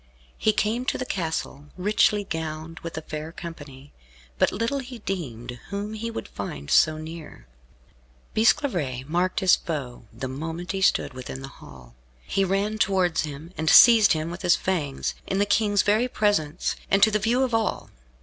He came to the castle, richly gowned, with a fair company, but little he deemed whom he would find so near. Bisclavaret marked his foe the moment he stood within the hall. He ran towards him, and seized him with his fangs, in the King's very presence, and to the view of all.